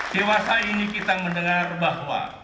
dewasa ini kita mendengar bahwa